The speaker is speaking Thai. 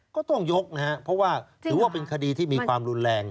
ก็ต้องยกนะครับเพราะว่าถือว่าเป็นคดีที่มีความรุนแรง